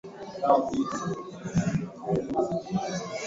ya kiswahili rfi jumanne tulivu kabisa ya tarehe tisa oktoba elfu mbili na kumi